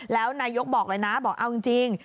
แล้วนายกบอกเลยนะบอกเอาจริง